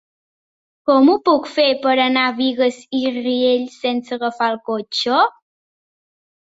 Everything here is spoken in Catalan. Com ho puc fer per anar a Bigues i Riells sense agafar el cotxe?